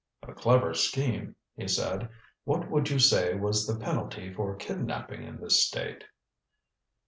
"A clever scheme," he said. "What would you say was the penalty for kidnaping in this state?"